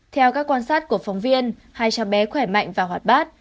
theo các quan sát của phóng viên hai cháu bé khỏe mạnh và hoạt bát